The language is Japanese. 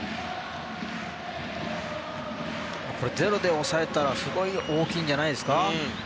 これ、ゼロで抑えたらすごい大きいんじゃないですか？